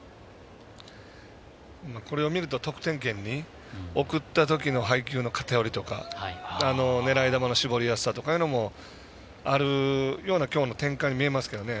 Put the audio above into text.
これを見ると得点圏に送ったときの配球の偏りとか狙い球の絞りやすさというのもある意味きょうの展開に見えますけれどね。